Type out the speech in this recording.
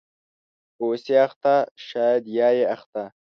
.اوسې اخته شاید یا یې اخته